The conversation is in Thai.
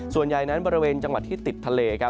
ส่วนใหญ่นั้นบริเวณจังหวัดที่ติดทะเล